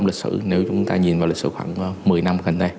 lịch sử nếu chúng ta nhìn vào lịch sử khoảng một mươi năm gần đây